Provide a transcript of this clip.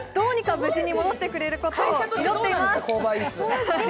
無事に戻ってくれることを祈っています。